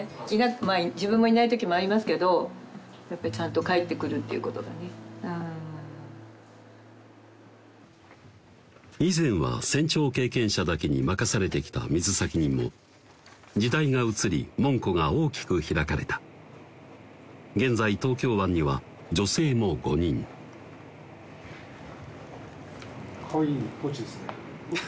まぁ自分もいない時もありますけどやっぱり以前は船長経験者だけに任されてきた水先人も時代が移り門戸が大きく開かれた現在東京湾には女性も５人かわいいポーチですね